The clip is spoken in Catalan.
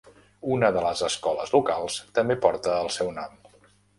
Una de les escoles locals també porta el seu nom.